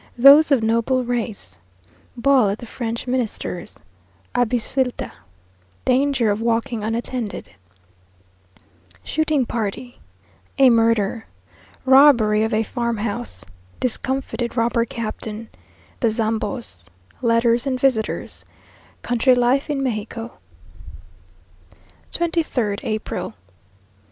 Those of Noble Race Ball at the French Minister's Abecilta Danger of Walking Unattended Shooting Party A Murder Robbery of a Farmhouse Discomfited Robber Captain The "Zambos" Letters and Visitors Country Life in Mexico. 23rd April.